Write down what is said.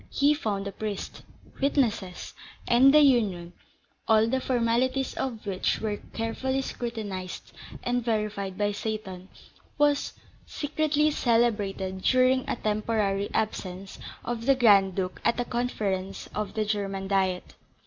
He found a priest, witnesses; and the union (all the formalities of which were carefully scrutinised and verified by Seyton) was secretly celebrated during a temporary absence of the Grand Duke at a conference of the German Diet.